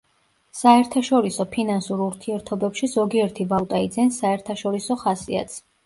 საერთაშორისო ფინანსურ ურთიერთობებში ზოგიერთი ვალუტა იძენს საერთაშორისო ხასიათს.